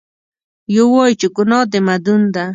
یو وایي چې ګناه د مدون ده.